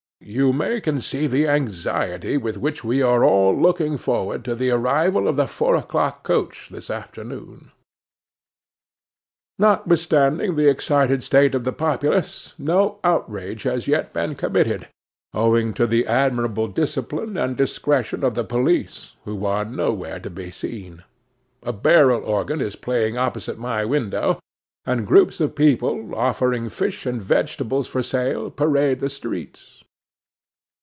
You may conceive the anxiety with which we are all looking forward to the arrival of the four o'clock coach this afternoon. 'Notwithstanding the excited state of the populace, no outrage has yet been committed, owing to the admirable discipline and discretion of the police, who are nowhere to be seen. A barrel organ is playing opposite my window, and groups of people, offering fish and vegetables for sale, parade the streets.